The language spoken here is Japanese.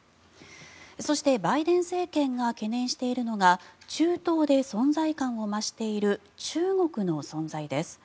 そして、バイデン政権が懸念しているのが中東で存在感を増している中国の存在です。